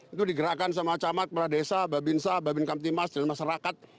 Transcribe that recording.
itu digerakkan sama camat para desa babin sa babin kamtipmas dan masyarakat